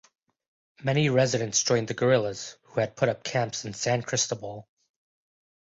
Many residents joined the guerrillas, who had put up camps in San Cristobal.